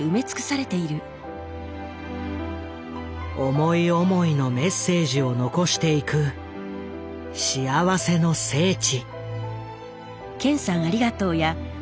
思い思いのメッセージを残していく幸せの聖地。